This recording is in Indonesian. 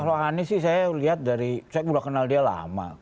kalau anies sih saya lihat dari saya udah kenal dia lama